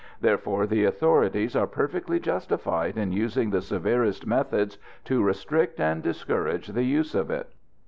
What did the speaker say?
Therefore the authorities are perfectly justified in using the severest methods to restrict and discourage the use of it.